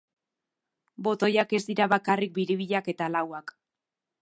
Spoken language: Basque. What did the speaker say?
Botoiak ez dira bakarrik biribilak eta lauak.